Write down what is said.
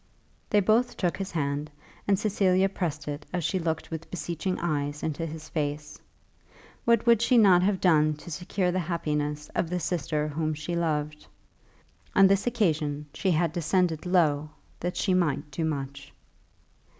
They both took his hand, and Cecilia pressed it as she looked with beseeching eyes into his face. What would she not have done to secure the happiness of the sister whom she loved? On this occasion she had descended low that she might do much.